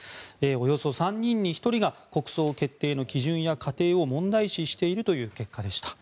およそ３人に１人が国葬決定の基準や過程を問題視しているという結果でした。